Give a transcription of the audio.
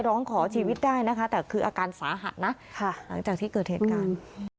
ร้องขอชีวิตได้นะคะแต่คืออาการสาหัสนะหลังจากที่เกิดเหตุการณ์